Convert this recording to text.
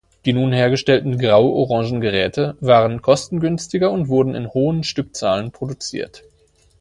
Die nun hergestellten grau-orangen Geräte waren kostengünstiger und wurden in hohen Stückzahlen produziert.